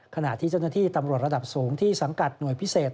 ขณะที่เจ้าหน้าที่ตำรวจระดับสูงที่สังกัดหน่วยพิเศษ